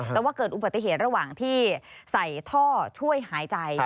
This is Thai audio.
แต่ว่าเกิดอุบัติเหตุระหว่างที่ใส่ท่อช่วยหายใจ